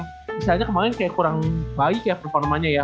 misalnya kemarin kayak kurang baik ya performanya ya